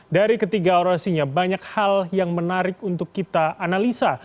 dari ketiga orasinya banyak hal yang menarik untuk kita analisa